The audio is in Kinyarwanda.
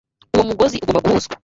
Uwo mugozi ugomba guhuzwa.